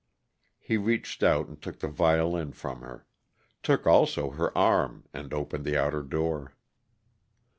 He reached out and took the violin from her; took also her arm and opened the outer door.